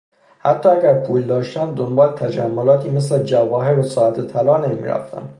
حتی اگر پول داشتم دنبال تجملاتی مثل جواهر و ساعت طلا نمیرفتم.